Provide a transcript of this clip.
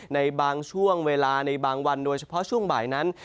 ในบางช่วงเวลาในบางวันโดยเฉพาะช่วงบ่ายนั้น